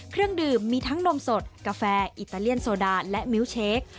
เครื่องดื่มมีทั้งนมสดกาแฟอิตาเลียนโซดาและมิ้วเชค